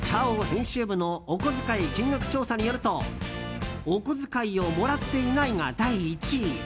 編集部のお小遣い金額調査によるとお小遣いをもらっていないが第１位。